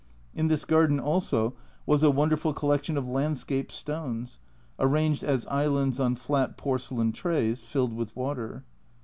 In this garden also was a wonderful collection of landscape stones, arranged as islands on flat porcelain trays filled with water.